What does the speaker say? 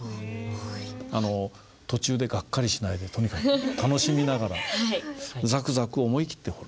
途中でがっかりしないでとにかく楽しみながらザクザク思い切って彫る。